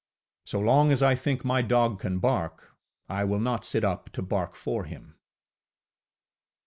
So long as I think my dog can bark, I will not sit up to bark for him.